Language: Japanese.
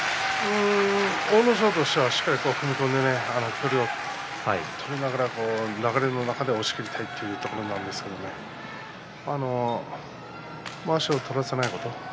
阿武咲としてはしっかり踏み込んで、流れの中で押しきりたいというところなんですがまわしを取らせないこと。